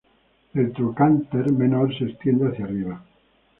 El trocánter menor se extiende hacia arriba.